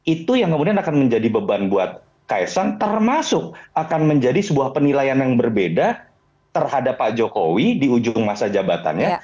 itu yang kemudian akan menjadi beban buat kaisang termasuk akan menjadi sebuah penilaian yang berbeda terhadap pak jokowi di ujung masa jabatannya